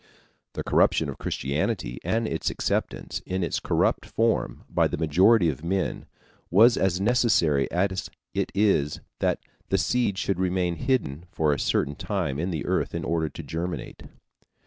The corruption of Christianity and its acceptance in its corrupt form by the majority of men was as necessary as it is that the seed should remain hidden for a certain time in the earth in order to germinate.